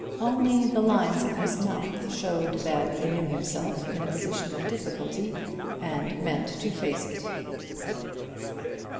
Only the lines of his mouth showed that he knew himself in a position of difficulty, and meant to face it.